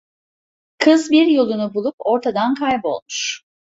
Kız bir yolunu bulup ortadan kaybolmuş.